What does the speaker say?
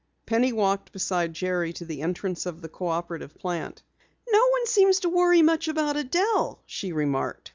Penny walked beside Jerry to the entrance of the cooperative plant. "No one seems to worry much about Adelle," she remarked.